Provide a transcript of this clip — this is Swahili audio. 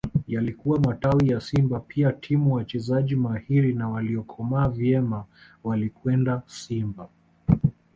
Yalikuwa matawi ya Simba pia timu wachezaji mahiri na waliokomaa vyema walikwenda Simba